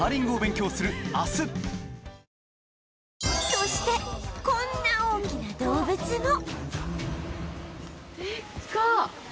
そしてこんな大きな動物も